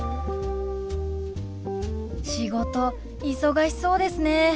仕事忙しそうですね。